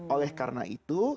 oleh karena itu